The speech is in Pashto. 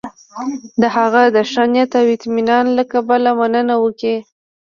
د هغه د ښه نیت او اطمینان له کبله مننه وکړي.